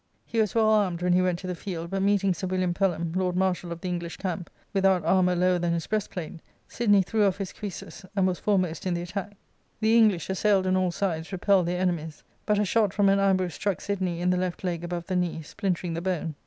He was well armed when he went; to the field, but meeting Sir William Pelham, lord mar shal of the English camp, without armour lower than his breastplate, Sidney threw off his cuisses and was fore • most in the attack. The English, assailed on all sides, repelled their enemies, but a shot from an ambush struck Sidney in the left leg above the knee, splintering the bone.